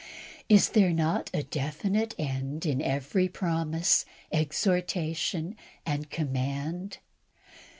Is there not a definite end in every promise, exhortation, and command?